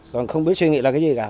còn không biết suy nghĩ là cái gì cả